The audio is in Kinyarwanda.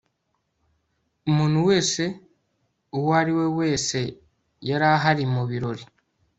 umuntu wese uwo ari we wese yari ahari mu birori